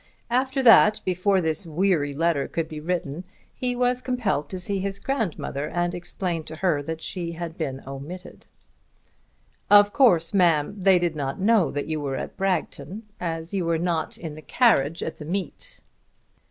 After that, before this weary letter could be written, he was compelled to see his grandmother and explain to her that she had been omitted. "Of course, ma'am, they did not know that you were at Bragton, as you were not in the carriage at the 'meet.'"